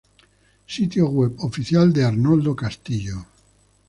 Sitio web oficial de Arnoldo Castillo